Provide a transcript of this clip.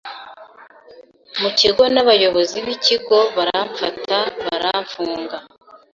mu kigo n’abayobozi b’ikigo baramfata baramfunga.